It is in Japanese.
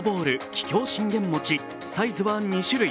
桔梗信玄餅、サイズは２種類。